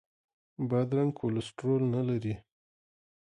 بادرنګ کولیسټرول نه لري.